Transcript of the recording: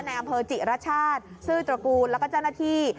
ในอำเภอจิรัชชาติซื่อตระกูลและใจนาที